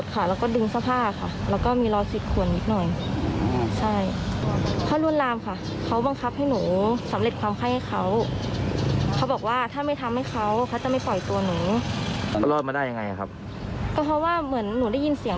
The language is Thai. ก็เพราะว่าเหมือนหนูได้ยินเสียง